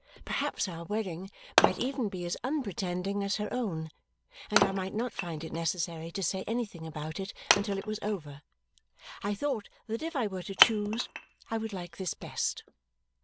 Perhaps our wedding might even be as unpretending as her own, and I might not find it necessary to say anything about it until it was over. I thought that if I were to choose, I would like this best.